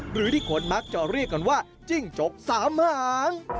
หรือที่คนมักจะเรียกกันว่าจิ้งจกสามหาง